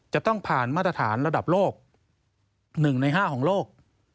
จะต้องผ่านมาตรฐานระดับโลก๑ใน๕ของโลก